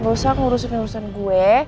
gak usah ngurusin urusan gue